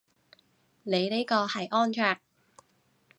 你呢個係安卓